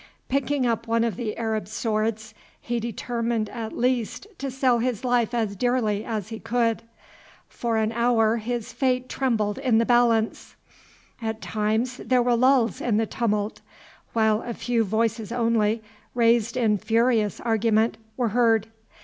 Picking up one of the Arab swords he determined at least to sell his life as dearly as he could. For an hour his fate trembled in the balance. At times there were lulls in the tumult, while a few voices only, raised in furious argument, were heard.